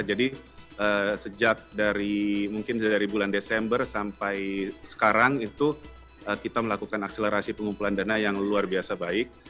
jadi sejak dari mungkin dari bulan desember sampai sekarang itu kita melakukan akselerasi pengumpulan dana yang luar biasa baik